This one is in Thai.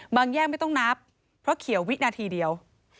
แย่งไม่ต้องนับเพราะเขียววินาทีเดียว